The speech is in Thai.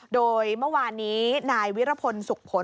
โดยเมื่อวานนี้นายวิรพลสุขผล